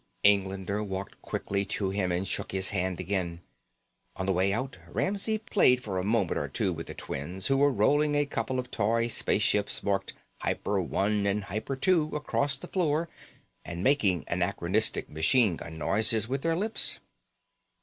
Englander walked quickly to him and shook his hand again. On the way out, Ramsey played for a moment or two with the twins, who were rolling a couple of toy spaceships marked hyper one and hyper two across the floor and making anachronistic machine gun noises with their lips.